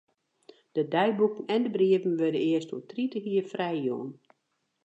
De deiboeken en de brieven wurde earst oer tritich jier frijjûn.